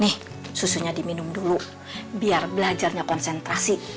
nih susunya diminum dulu biar belajarnya konsentrasi